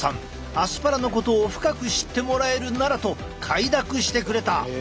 アスパラのことを深く知ってもらえるならと快諾してくれた。